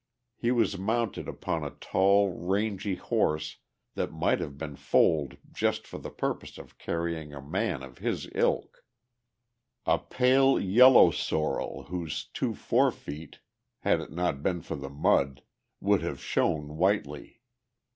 He was mounted upon a tall, rangy horse that might have been foaled just for the purpose of carrying a man of his ilk, a pale yellow sorrel whose two forefeet, had it not been for the mud, would have shone whitely.